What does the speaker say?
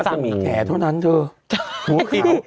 สมิแถวนั้นถ้าหัวขาว